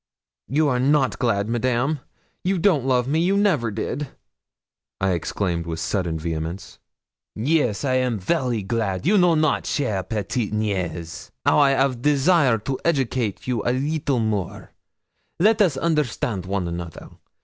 'You are not glad, Madame; you don't love me you never did,' I exclaimed with sudden vehemence. 'Yes, I am very glad; you know not, chère petite niaise, how I 'av desire to educate you a leetle more. Let us understand one another.